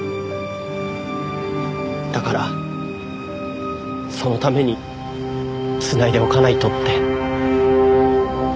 だからそのために繋いでおかないとって。